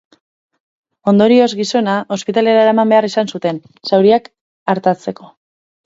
Ondorioz, gizona ospitalera eraman behar izan zuten, zauriak artatzeko.